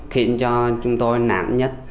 khiến cho chúng tôi nản nhất